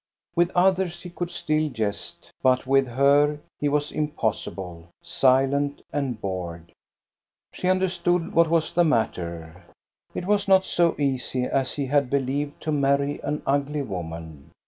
With others he could still 36o THE STORY OF GOSTA BE RUNG jesty but with her he was impossible, silent and bored. She understood what was the matter : it was not so easy as he had believed to marry an ugly woman.